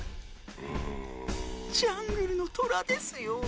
ジャングルのトラですよ。